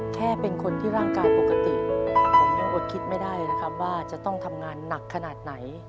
แค่เป็นคนที่ร่างกายปกติผมยังอดคิดไม่ได้นะครับว่าจะต้องทำงานหนักขนาดไหน